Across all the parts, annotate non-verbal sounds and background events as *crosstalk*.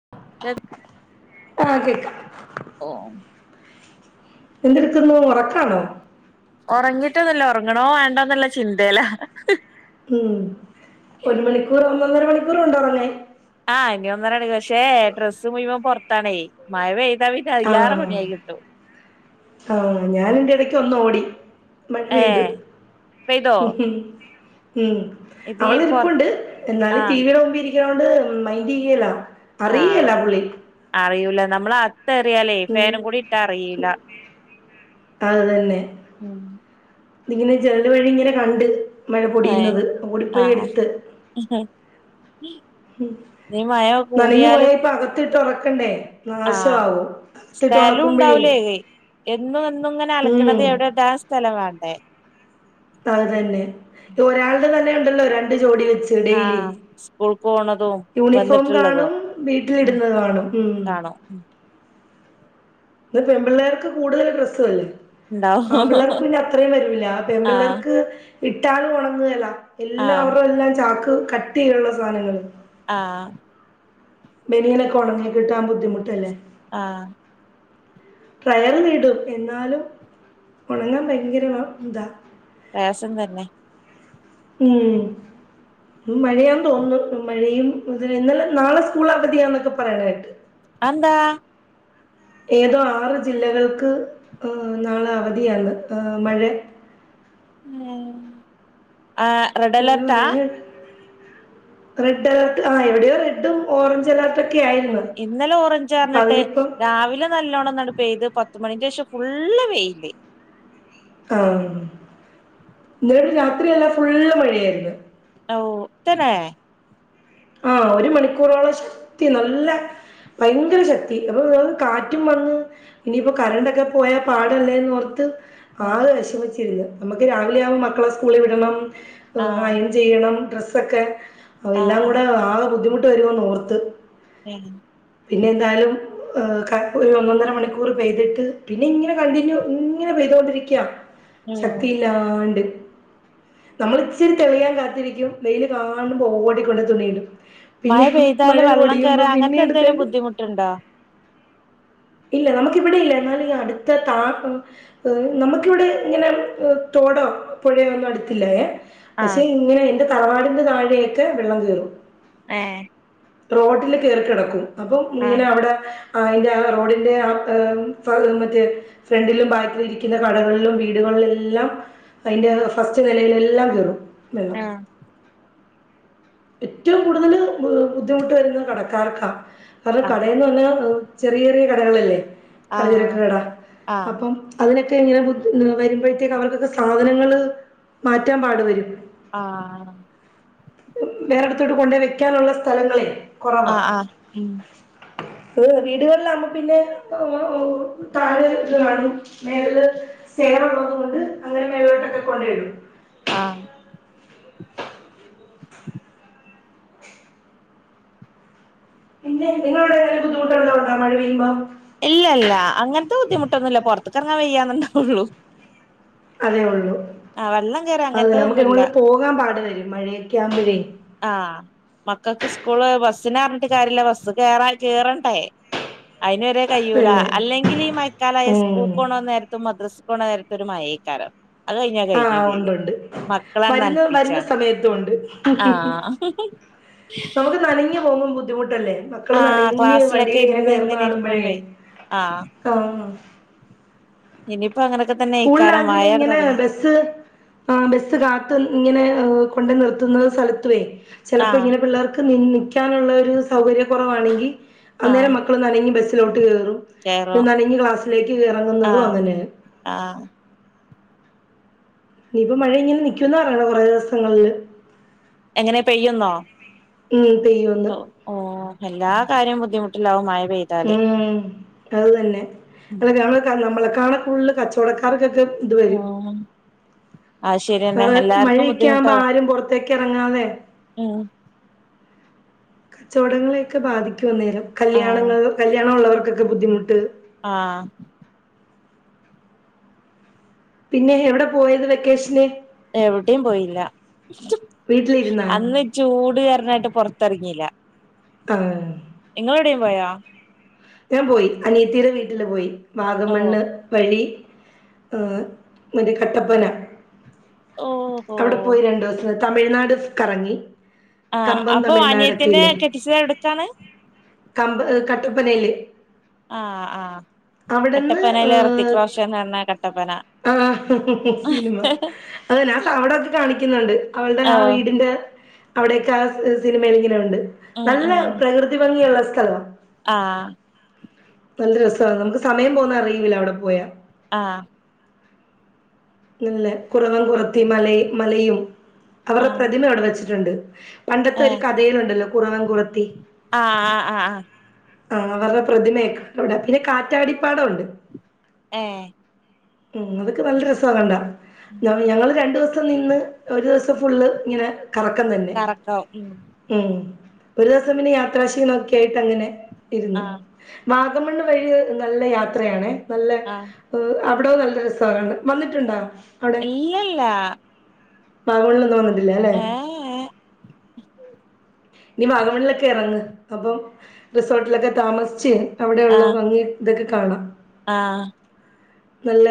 *unintelligible* ആ കേക്ക ഓ എന്തെടുക്കുന്നു ഉറക്കാണോ ഉറങ്ങിട്ടന്നല്ല ഉറങ്ങണോ വേണ്ടോന്നുള്ള ചിന്തല്ല ഉം ഒരു മണിക്കൂർ ഒന്നാ ഒന്നര മണി *unintelligible* ആ ഇനി ഒന്നര എടു പക്ഷേ ഡ്രസ്സ് മുഴുവം പോറത്താണേ മഴ പേ ആ ആ ഞാനിന്റെ ഇടക്ക് ഒന്ന് ഓടി മഴ പെയത് ഏഹ് പെയ്തോ ഹ്മ്മ് ഉം ഇത് ഈ അവൾ പൊറ ഇരിപ്പുണ്ട് എന്നാലും ആഹ് ടീവിടെ മുമ്പിലി *unintelligible* മൈൻഡ് ചെയ്യില്ല ആഹ് അറിയെല്ല പുള്ളി അറിയൂല നമ്മള് ആ തറിയാലേ ഉം. ഫാനും കൂടി ഇട്ടാ അറിയില്ല അത് തന്നെ ഉ ഇതിങ്ങനെ ജനല് വഴി ഇങ്ങനെ കണ്ട് മഴ ഏഹ് പൊടിയുന്നത് ഓടിപ്പോയി ആഹ് എടുത്ത്മ് ഈ മഴ നനഞ്ഞു പോയ ഇപ്പ അകത്തിട്ട് ഉണ ക്കണ്ടേ ആസ്ഥലം ഉണക്കുമ്പോഴേ ഉണ്ടാവിലേ എന്നും എന്നും ഇങ്ങനെ അലക്കണത് എവിടെ ഇടാൻ സ്ഥലംവേണം ഏ അത്തന്നെ ഒരാളുടെ തന്നെ ണ്ടല്ലോ രണ്ട് ജോഡി ആഹ് സ്കൂൾക്ക് പോണതും *unintelligible* യൂണിഫോം വന്നിട്ടുള്ളതും കാണും ഉം വീട്ടിലിടുന്നത് കാണും കാണും ഉം ഇപ്പം പെൺപിള്ളേർക്ക് കൂടുതൽ ഡ്രസ് അല്ലേ ഉണ്ടാവോ ആൺപിള്ളേർക്ക്‌ പിന്നെ അത്രയും വരൂല്ല ആഹ് പെൺപിള്ളാർക്ക് ഇട്ടാലും ഉണങ്ങുകേല ആഹ് എല്ലാവരുടെ എല്ലാം ചാക്ക് കട്ടി ഉള്ള സാധനങ്ങള് ആ ബെനീനൊക്കെ ഉണങ്ങി കിട്ടാൻ ബുദ്ധിമുട്ടല്ലേ ആഹ് *unintelligible* എന്നാലും ഉണങ്ങാൻ ഭയങ്കര ഇതാ പ്രയാസം തന്നെ ഉം മഴയാന്ന് തോന്നുന്നു മഴയും ഇ ഇന്നലെ നാളെ സ്കൂൾ അവധിയാണെന്ന് പറയണകേട്ട് അത് എന്താ ഏതോ ആറ് ജില്ലകൾക്ക് ഉം നാളെ അവധിയാണ് ആ മഴ ഉം ആ റെഡ് അങ്ങനെ അലർട്ടാ പറയണ കേട്ട്. റെഡ് അലേർട്ട് ആ എവിടെയോ റെഡും ഓറഞ്ച് അലർ ആഇന്നലെ ഓറഞ്ച് യിരുന്നിട്ട് അതിനിപ്പം രാവിലെ നല്ലോണ്ണം ന്ന് പെയ്ത് പ പത്ത് മണിക്ക്‌ ശേഷം ഫുള്ള് വെയില് ആ ഇന്നലെ രാത്രി വരെ ഫുള്ള് മഴയായിരുന്നു ഓ തന്നെ ആ ഒരു മണിക്കൂറോളം ശക്തി നല്ല ഭയങ്കര ശക്തി അപ്പൊ കാറ്റും വന്ന് ഇനിയിപ്പോ കരണ്ടൊക്കെ പോയാ പാടല്ലേന്ന് ഓർത്ത് ആഹ് ആകെ വിഷമിച്ചിരുന്ന് നമുക്ക് രാവിലെ ആവോ മക്കളെ സ്കൂളിൽ വിടണം അയൺ ചെയ്യണം ഡ്രസ്സ്‌ ഒക്കെ ആ ആ ആ ബുദ്ധിമുട്ട് വരുവോന്ന് ഓർത്ത് *inaudible* പിന്നെ എന്തായാലും ഒരു ഒന്നൊന്നര മണിക്കൂർ പെയ്തിട്ട് പിന്നെ ഇങ്ങനെ കണ്ടിന്യൂ ഇങ്ങനെ പെയ്തൊണ്ടിരിക്കാ ഉം ശക്തിയില്ലാണ്ട് നമ്മള് ഇച്ചിരി തെളിയാൻ കാത്തിരിക്കും വെയില് കാണുമ്പോ ഓടിക്കൊണ്ട് തുണിയിടും മഴ പിന്നെ മഴ പെയ്താല് വെള്ളം പൊടിയുമ്പോൾ കേറാ പിന്നെ അങ്ങനത്തെന്ത എടുത്തോണ്ട് ബുദ്ധിമുട്ടുണ്ടോ ഇല്ല നമുക്കിവിടെ ഇല്ല എന്നാലും അടുത്ത താ നമുക്കിവിടെ ഇങ്ങനെ തോടോ പൊഴയോ ഒന്നും അടുത്തില്ലാ പക്ഷെ ആഹ് ഇങ്ങനെ എന്റെ തറവാടിന്റെ താഴെയൊക്കെ വെള്ളം കേറും ഏ റോട്ടില് കേറി കെടക്കും അപ്പം ഇങ്ങനെ ആഹ് അവിടെ ആ അയിന്റെ ആ റോഡി ടെ അ മറ്റേ ഫ്രണ്ടിലും ബാക്കിലും ഇരിക്കുന്ന കടകളിലും വീടുകളിലെല്ലാം അതിന്റെ ഫസ്റ്റ് നിലയിലെല്ലാം കേറും വെള്ളം ആഹ് ഏറ്റവും കൂടുതൽ ബുദ്ധിമുട്ട് വരുന്നത് കടക്കാർക്കാ കാരണം ആഹ് കടെന്ന് പറഞ്ഞാ ചെറിയറിയ കടകളല്ലേ പലചരക് ആഹ് ആഹ് കടഅപ്പം അതിനെ ഇങ്ങനെ വരുമ്പോഴത്തേക്ക് അവർക്കൊക്കെ സാധനങ്ങൾ മാറ്റാൻ പാടു വരും ആഹ് വേറെടുത്തോട്ട് കൊണ്ട് വെക്കാനുള്ള സ്ഥലങ്ങളെ ആ ആ ഉ ഏ വീടുകളിലാവുമ്പോ പിന്നെ താഴ ഇത് കാണും മേലെ സേറുള്ളത് കൊണ്ട് അങ്ങനെ മേലോട്ടൊക്കെ കൊണ്ട് ടും ആ പിന്നെ നിങ്ങളോടെേന്തെങ്കും ബുദ്ധിമുട്ടുള്ളോണ്ടാ മഴ പെയ്യുമ്പോ ഇല്ല ഇല്ല അങ്ങനത്തെ ബുദ്ധിമുട്ടൊന്നു ല്ല പൊറത്ത് ർത്ത് എറങ്ങാൻ വെയ്യന്ന്ണ്ടാവൊള്ളൂ അതെ ഉള്ളു കേറാ അതെ നമുക്ക് അങ്ങനത്തതൊന്നുല്ല എങ്ങോട്ടെലും പോകാൻ പാട് വരും മഴക്കെ ക്യാകുമ്പഴേ ആ മക്കൾക്ക് സ്കൂള് ബ സ്സിന പറഞ്ഞിട്ട് കാര്യല്ല ബസ് കേറാ കേറണ്ടേ അയിന് വരെ അത് കഴിയൂല തന്നെ അല്ലെങ്കിൽ ഈ മയക്കാലായ ഉം സ്കൂൾക്ക് പോണോ നേരത്തെ മദ്രസ് പോണേക്കൊരു മയെക്കാരം ആഹ് ഉണ്ട് ഉണ്ട് വരുന്ന് വരുന്ന് നനപ്പിച്ചാണ്ട് സമയത്തുണ്ട് ആഹ് നമുക്ക് നനഞ്ഞ് പോവുമ്പോ- ദ്ധിമുട്ടല്ലേ മക്കള് ആഹ് നനഞ്ഞ് ക്ലാസ്സിലൊക്കെ വണ്ടീലിങ്ങനെ ഇരുന്ന് കേറുന്ന ഇങ്ങനെ കാണുമ്പോഴേ ഇരിക്കുമ്പേ ആഹ് *unintelligible* *unintelligible* തന്നെ ഇക്കാരം സ്കൂളിലാങ്കിലും മഴയാണ്ട് ഇങ്ങനെ തൊടങ്ങിയ ബസ് ബസ് കാത്ത് ഇങ്ങനെ കൊണ്ട് നിർത്തുന്ന സ്ഥലത്തുവേ ചിലപ്പോ ആഹ് ഇങ്ങനെ പിള്ളേർക്ക് *unintelligible* ക്കാനൊള്ളൊരു സൗകര്യ കുറവാണെങ്കി ആഹ് അന്നേരം മക്കള് നനയും *unintelligible* കേറും പിന്ന കേറും നനഞ്ഞ് ക്ലാസ്സിലേക്ക് കോറുന്നുന്നതും ആഹ് അങ്ങനെ. ആഹ് ഇപ്പ മഴ ഇങ്ങനെ നിക്കുന്ന പറയണത് മഴ ദിവസങ്ങളില് എങ്ങനെ പെയ്യുന്നോ ഉം. പെയ്യുമെന്ന് ഒ ഓ അല്ലാ കാര്യം ബുദ്ധിമുട്ടിലാവും മയ ഉം അത് തന്നെ *unintelligible* നമ്മളെകാളും ഫുൾ കചോടക്കാർക്കെക്കെ ഇത് വരും ഉം അത് ശരിയന്നെ വേറെ എല്ലാർക്കും മഴയെക്കെ ആവുമ്പോ ബുദ്ധിമുട്ടാവും ആരും പുറത്തേക്ക് ഇറങ്ങാതെ ഉം കച്ചവടങ്ങളെയെക്കെ ബാധിക്കും. *unintelligible* നേരം ആഹ് കല്യാണങ്ങൾ കല്യാണമുള്ളവർക്ക് ക്കൊക്കെ ബുദ്ധിമുട്ട് ആഹ് പിന്നെ എവിടെ പോയത് വെക്കേഷന് എവിടെയും പോയില്ല വീട്ടിലിരുന്നാ അന്ന് ചൂട് കാരണായിട്ട് പൊറ ത്ത് എറങ്ങീല. ആഹ് നിങ്ങളെവിടേം പോയാ? ഞാൻ പോയി അനിയത്തീടെ വീ ട്ടില് പോയി ഓ വാഗമണ്ണ് വഴി ഏഹ് അവര് കട്ടപ്പന. ഓഹോ അവിടെ പോയി രണ്ടു തമിഴ്നാട് കറങ്ങി. ആ കമ്പം അപ്പോ തമിഴ്നാടൊക്കെ അനിയത്തീനെ ഇല്ലേ കെട്ടിച്ചത് എവിടേക്കാണ്? *unintelligible* ട്ടപ്പനേല് *unintelligible* അവിടെന്ന് കട്ടപ്പനയിലെ ഋത്തിക് റോഷൻ എന്ന് പറഞ്ഞ കട്ടപ്പന ആ ഹും ഹും ആ സിനിമ അവനാ സൗണ്ടൊക്കെ കാണിക്കുന്നുണ്ട് അവൾടെ ഓ ആ വീടിന്റെ അവിടെയൊക്കെ ആ സിനിമയിൽ ഇങ്ങനെ ഉണ്ട് ഉം നല്ല ഉം പ്രകൃതി ഭംഗിയുള്ള സ്ഥലവാ ആഹ് നല്ല രസാ നമുക്ക് സമയം പോന്ന അറിയൂല അവിടെ പോയാ ആഹ് നല്ല കുറവൻ കുറത്തി മലയ് മലയും അവറെ ആഹ് പ്രതിമ അവിടെ വെച്ച് ട്ടുണ്ട് പണ്ടത്തെ ഒരു കഥയിലുണ്ടല്ലോ കുറവൻ കുറത്തി ആന് ആഹ് ആ ആ ആ അവർടെ പ്രതിമയൊക്കെ ണ്ടവിടെ പിന്നെ കാറ്റാടിപ്പാടവുണ്ട് ഏ ഉം അതൊക്കെ നല്ല രസ് സ്‌വാ കണ്ടാ ഞ ഞങ്ങള് രണ്ടു ദിവസം ഇത്ത നിന്ന് ഒരു ദിവസം ഫുള്ള് ഇങ്ങനെ കറക്കം തന്നെ കറക്കം ഉം ഉം ഒരു ദിവസം പിന്നെ യാത്രാക്ഷീണവൊക്കെ ആയിട്ട് അങ്ങനെ ഇര്ന്ന് ആഹ് വാഗമണ്ണ് വഴി നല്ല യാത്രയാണേ നല്ല ആഹ് അവിടവുംനല്ല രസവാ കാണാൻ വന്നിട്ടുണ്ടോ ഇല്ല്യല്ല വാഗമണ്ണ് ഒന്നും വന്ന് ഇല്ലാ ല്ലേ ഇനി വാഗമണ്ണിലൊക്കെ എറങ്ങ് അപ്പം റിസോട്ടിലൊക്കെ താമസിച്ച് ഏ അവിടെയുള്ള ആഹ് ഭംഗി ഇതൊക്കെ കാണാം ആഹ് നല്ല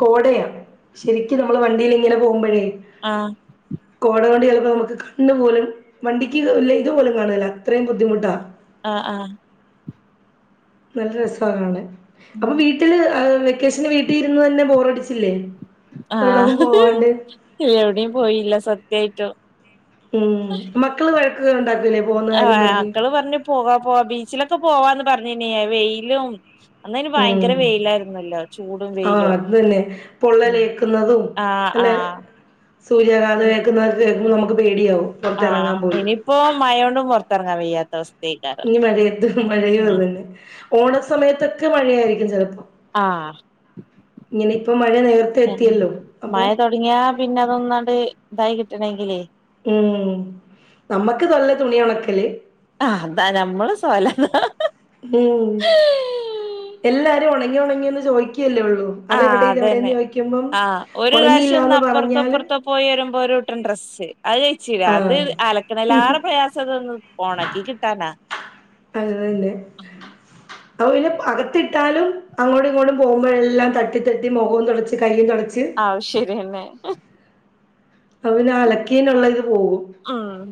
കോടയാ ശരിക്കും നമ്മള് വണ്ടീൽ ഇങ്ങനെ പോകുമ്പഴേ ആഹ് കോട കണ്ട് ചെല നമുക്ക്കണ്ണുപോലും വണ്ടിക്ക് ല് ഇതുപോലും കാണല്ല അത്രയും ബുദ്ധിമുട്ടാ ആഹ് ആഹ് നല്ല രസവാ കാണാൻ. അപ്പോ ഉം വീട്ടില് ക്കേഷന് വീട്ടിലിരുന്നു തന്നെ ബോറടി ആഹ് എവിടെയും പോയില്ല സ ത്യായിട്ടും. മക്കള് വ ഉം ആ മക്കള് പറഞ്ഞു പോവാ പോ ബീച്ചിലൊക്കെ പോവാന്ന് പറഞ്ഞേനയ വെയിലും അന്നന് ഉം ഭയങ്കര വെയിലായിരുന്നല്ലോ? ചൂടും, ആഹ് വെയിലും, അത് തന്നെ പൊള്ളലേക്കുന്നതും ആ ആ അല്ലെ സൂര്യാഘാതം ഏൽക്കുന്നത് നമ്മു ആ ഇനിയിപ്പോ മഴകൊണ്ടും പുറത്ത പുറത്തിറങ്ങാൻ വയ്യാത്ത അ ഇനി മഴയത്ത് മഴയും അത് തന്നെ. ഓണ സമയത്തൊക്കെ മഴയായിരിക്കും ചിലപ്പോ ആ ഇപ്പൊ മഴ നേരത്തെ എത്തിയല്ലോ അപ്പൊ മഴ തുടങ്ങിയാ പിന്നെ അതൊന്നണ്ട് ഇതായി കി കിട്ടണെങ്കിലേ? ഉം. നമ്മക്ക് തല്ല തുണി ഉണക്കല് ആ അതാ നമ്മള് സ്വല ഹ ഹ ഉം ങ്ങിയോന്ന് ചോയ്ക്ക ഉള്ളു ആ അത തന്നെ ആ ഒരു പ്രാവശ്യ ഒന്ന് ഒണങ്ങിയില്ലാന്ന് അപ്പുറത്തോ പറഞ്ഞാല് ഇപ്പുറത്തോ പോയി വരുമ്പോ ഒരുട്ടം ഡ്രസ്സ് അത് കഴിച്ചില്ല അത് ആഹ് അലക്കണല്ല ആറെ പ്രയാസം അതൊന്ന് ഓണക്കി കിട്ടാനാ അതു തന്നെ. അവെ അകത്തിട്ടാലും അങ്ങോട്ടും ഇങ്ങോട്ടും പോകുമ്പോഴെല്ലാം തട്ടി തട്ടി മുഖവും തുടച്ച് കയ്യും തുട ആ ശരിതന്നെ അവന് അലക്കീനുള്ളത് ഓ ഉം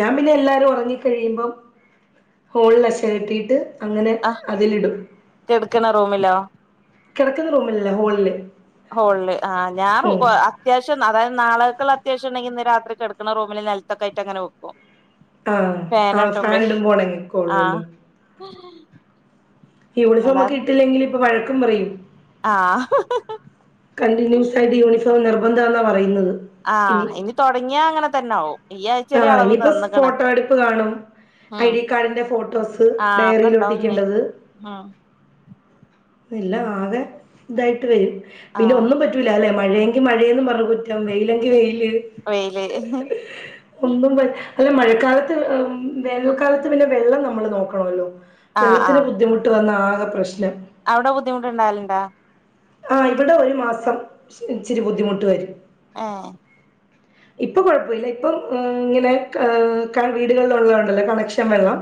ഞാൻ പിന്നെ എല്ലാരും ഒറങ്ങി കഴിയുമ്പം ഹോളിൽ അഷ കെട്ടിയിട്ട് അങ്ങനെ ആ അതിലിടും കെടക്കണ റൂമിലോ? കെടക്കുന്ന റൂമിലല്ല ഹോളില് ഹോളില് ആ ഞാൻ ഉം അത്യാവശ്യം അതായത് നാളേക്കുള്ള അത്യാവശ്യം ട്ടുണ്ടങ്കി ഇന്ന് രാത്രി കെടക്കണ റൂമില് നെലത്തൊക്ക ആയിട്ടങ്ങനെ വെക്കും. ആ ആ ഫാൻ ഫാനാട്ടുമ്പേ ഇടുമ്പോ ഒണങ്ങിക്കോള്ളൂല്ലോ. ആഹ് ഇവിടെ നമക്ക് അല്ലാതെ ഇട്ടില്ലെങ്കിലും *unintelligible* ആഹ് ഹാ ഹിഹ കണ്ടിന്യൂസായിട്ട് യൂണി ഇ *unintelligible* നിർബന്ധ ഉള്ള പറയുന്നത് ആ ഇനി തുടങ്ങിയാ അങ്ങനെ തന്നാവും ആ ഇനിയിപ്പോ ഫോട്ടോ എടുപ്പ് കാണും ഐ ഉം ഡി കാർഡിന്റെ ഫോട്ടോസ് ആഹ് ഒക്കെ ഡയറിയിൽ ഇണ്ടാവും ഇഞ് ഒട്ടിക്കേണ്ടത് ഉം ഇല്ല ആകെ ഇതായിട്ട് വരും പിന്നെ ആഹ് ഒന്നും പറ്റൂല അല്ലെ മഴയെങ്കി മഴയെന്ന് പറഞ്ഞു കുറ്റം വെയിലെങ്കി വെയിൽ എ വെയില് ഒന്നും *unintelligible* അല്ല മഴക്കാലത്ത് വേനൽക്കാലത്ത് പിന്നെ വെള്ളം നമ്മള് നോക്കണോല്ലോ ആഹ് വെള്ളത്തിന് ആഹ് ബുദ്ധിമുട്ട് വന്ന ആ ആ പ്രശ്നം അവിടെ ബുദ്ധിമുട്ട് ഇണ്ടാവല്ണ്ടാ ആ ഇവിടെ ഒരു മാസം ഇച്ചിരി ബുദ്ധിമുട്ട് വരും ഏഹ് ഇപ്പൊ കുഴപ്പൊല്ല ഇപ്പം ഇങ്ങനെ *unintelligible* വീടുകളില് ഉള്ളതുകൊണ്ടല്ലോ കണക്ഷൻ വെള്ളം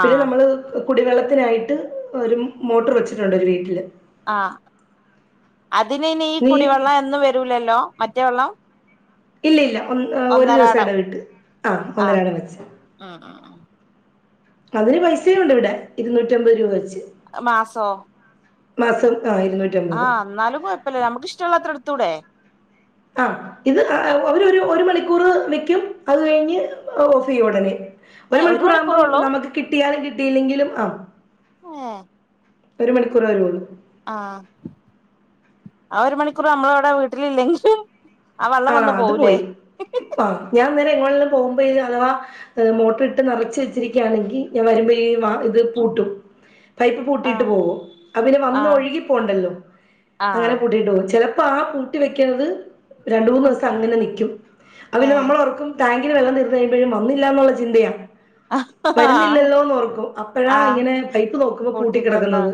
പിന്നെ നമ്മള് *unintelligible* കുടിവെള്ളത്തിനായിട്ട് ഒരു മോട്ടർ വച്ചിട്ടുണ്ട് ഒരു വീട്ടില് ആഹ് അതിനൈന് ഈ നീ കുടിവെള്ളം എന്നും വരൂലല്ലോ മറ്റേ വെള്ളം ഇല്ല്യഇല്ല ഒ ഒരു ദിവസം ഇട ഒന്നരാടം വിട്ട് ആ ആഹ് ഒന്നരാടം വെച്ച് ഉം ഉം ഉം അതിന് പൈസയുണ്ട് ഇവിടെ ഇരുന്നൂറ്റി അമ്പത് രൂപ വെച്ച് അ *inaudible* മാസോ മാസം ആ ആ ഇരുന്നൂറ്റമ്പത്. എന്നാലും കുഴപ്പല്ല നമുക്കിഷ്ടമുള്ളത്ര എടുത്തുടെ ആഹ് ഇത് *unintelligible* അവര് ഒരു മണിക്കൂറ് വെ *unintelligible* ക്ക്യും അത് കഴിഞ്ഞ് ഓഫ്യ്യൊടനെ ഒരു ഏഹ് മണിക്കൂർ ആകുമ്പോ മണിക്കൂറൊള്ളൂ നമുക്ക് കിട്ടിയാലും കി കിട്ടിയില്ലെങ്കിലും ആഹ് എഹ് ഒരു മണിക്കൂർ വരെള്ളൂ ആഹ് ആ ഒരു മണിക്കൂർ നമ്മള് അവിടെ വീട്ടില് ഹ് *inaudible* ഇല്ലെങ്കി ആ അത് പോയി *unintelligible* ഞ വെരം എങ്ങോട്ടെങ്കിലും പോകുമ്പോഴ അഥാ മോട്ടർ ഇട്ട് നറച്ച് വെച്ചരിക്കുകയാണെങ്കിൽ ഞാൻ വരുമ്പോഴവ ഇത് പൂട്ടും പൈപ്പ് പൂട്ടിയിട്ട് ആഹ് പോകും, അവര് വന്ന് ആഹ് ഒഴുകി പോണ്ടല്ലോ അങ്ങനെ ആഹ് പൂട്ടിട്ട് പോകും, ചല ഇപ്പാ ആ പൂട്ടി വെക്കണത് രണ്ടു, മൂന്ന് ദിവസം അങ്ങനെ നിക്കും അത് പിന്നെ ഏഹ് നമ്മളോർ ടാങ്കില് വെള്ളം തീർന്ന് കഴിമ്പഴും വന്നില്ലാന്നുള്ള ചിന്തയാ. വരുന്നില്ലല്ലോന്ന് ഓർക്കും, അപ്പഴാ ആഹ് ഇങ്ങനെ പൈപ്പ് നോക്കുമ്പോ കൂട്ടിട്ടെന്താ പൂട്ടിക്കിടക്കുന്നത്.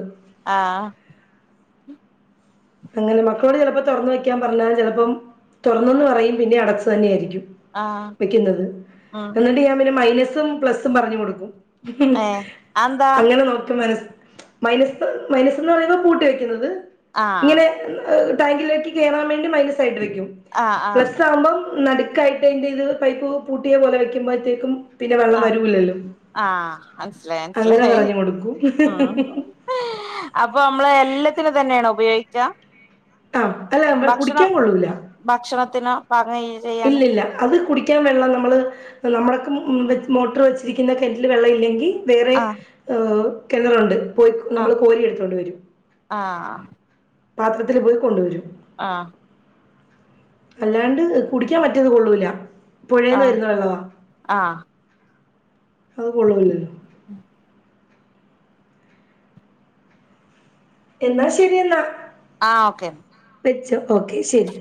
ആഹ് അങ്ങനെ മക്കളോട് ചിലപ്പോ തുറന്ന് വെക്കാൻ പറഞ്ഞാലും ചിലപ്പോം തുറന്നെന്ന് പറയും പിന്നെ അടച്ചു തന്നെ ആയിരിക്കും ആഹ് വെക്കുന്നത് ഉം എന്നിട്ട് ഞാൻ പിന്നെ മൈനസ് മൈനസ്സും, പ്ലസും പറഞ്ഞു കൊടുക്കും ഏഹ് അതെന്താ അങ്ങനെ നോക്കി മന മൈനസ്, മൈനസ് എന്ന് പറയുമ്പോ പൂട്ടി വെക്കുന്നത്. ആഹ് ഇങ്ങനെ ടാങ്ങിലേക്ക് കയറാൻ വേണ്ടി മൈന സായിട്ട് വയ്ക്കും ആഹ് ആഹ് പ്ലസ്സ് ആവുമ്പം നടുക്കായിട്ട് അതിന്റെ ഇത്, പൈപ്പ് പൂട്ടിയ പോലെ വെക്കുമ്പോഴത്തേക്കും പിന്നെ വെള്ളം ആഹ്, വരൂലല്ലോ ആഹ്, മനസ്സിലായി, അങ്ങനെ മനസ്സിലായി, പറഞ്ഞു കൊടുക്കും ഉം അപ്പൊ നമ്മള് എല്ലാത്തിനും ഇത് തന്നെയാണ് ഉപയോ ക്കാ ആ, അല്ല, വ്വ കുടിക്കാൻ കൊള്ളൂല ഭക്ഷണത്തിന് പാകം ചെയ്യാന് ഇല്ലില്ല അത് കുടി കുടിക്കാൻ വെള്ളം നമ്മള് നമ്മളൊക്കെ മോട്ടർ വെച്ചിരിക്കുന്ന കിണറ്റിൽ വെള്ളം ഇല്ലെങ്കിൽ വേറെ, ആഹ് ആ കിണറുണ്ട് പോയി നമ്മള് ആഹ് കോരി എടുത്തോണ്ട് വരും ആഹ് പാത്രത്തിൽ പോയി കൊണ്ടുവരും ആഹ് അല്ലാണ്ട് കുടിക്കാൻ മറ്റേത് കൊള്ളൂല പുഴേന്ന് ആഹ് വരുന്ന വെള്ളവാ ആഹ് അത് കൊള്ളവില്ലല്ലോ എന്നാ ശരിയെന്നാ ആഹ് ഓക്കേ വെച്ചോ, ഓക്കെ ശരി